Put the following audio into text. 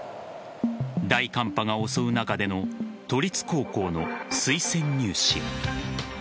大寒波が襲う中での都立高校の推薦入試。